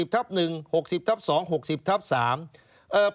ทับ๑๖๐ทับ๒๖๐ทับ๓